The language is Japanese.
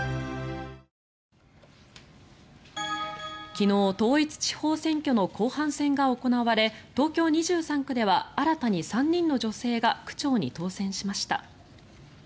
昨日統一地方選挙の後半戦が行われ東京２３区では新たに３人の女性が区長に当選しました。